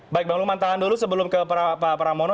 baik bang luman tahan dulu sebelum ke pak ramono